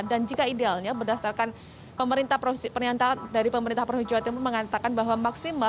dan jika idealnya berdasarkan pemerintah provinsi jawa timur mengatakan bahwa